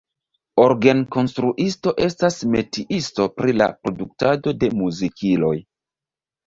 Orgenkonstruisto estas metiisto pri la produktado de muzikiloj.